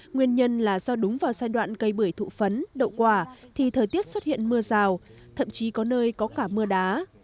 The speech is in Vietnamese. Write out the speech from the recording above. nguyên nhân là do đúng vào giai đoạn cây bưởi thụ phấn đậu quả thì thời tiết xuất hiện mưa rào thậm chí có nơi có cả mưa đá